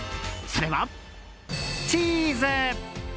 それは、チーズ！